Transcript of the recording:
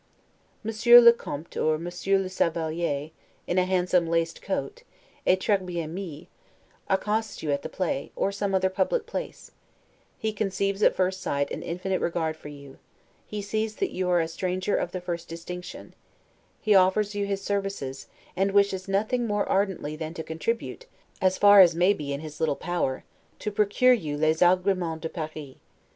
Monsieur le Comte or Monsieur le Chevalier, in a handsome laced coat, 'et tres bien mis', accosts you at the play, or some other public place; he conceives at first sight an infinite regard for you: he sees that you are a stranger of the first distinction; he offers you his services, and wishes nothing more ardently than to contribute, as far as may be in his little power, to procure you 'les agremens de Paris'.